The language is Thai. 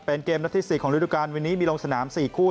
เป็นเกมนัดที่๔ของฤดูการวันนี้มีลงสนาม๔คู่